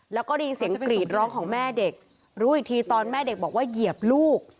แล้วก็ได้ยินเสียงกรีดร้องของแม่เด็กรู้อีกทีตอนแม่เด็กบอกว่าเหยียบลูก